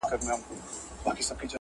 بابولاله.